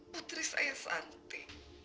putri saya santi